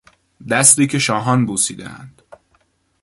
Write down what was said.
دستی که شاهان بوسیدهاند